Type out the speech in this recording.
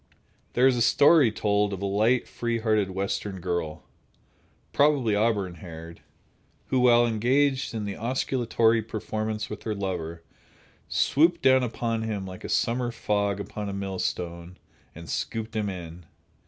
There is a story told of a light, free hearted Western girl—probably auburn haired—who, while engaged in the osculatory performance with her lover, swooped down upon him like a summer fog upon a millstone and scooped him in.